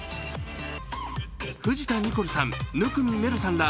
藤田ニコルさん、生見愛瑠さんら